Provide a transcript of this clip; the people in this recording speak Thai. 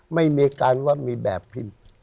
ไม่มีการว่ามีแบบผิด